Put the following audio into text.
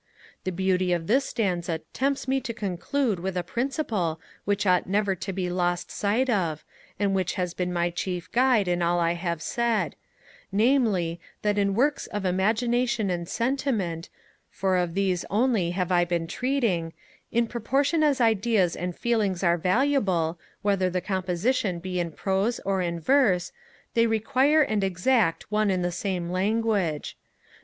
The beauty of this stanza tempts me to conclude with a principle which ought never to be lost sight of, and which has been my chief guide in all I have said, namely, that in works of imagination and sentiment, for of these only have I been treating, in proportion as ideas and feelings are valuable, whether the composition be in prose or in verse, they require and exact one and the same language.